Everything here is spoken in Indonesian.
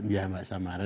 iya mbak samara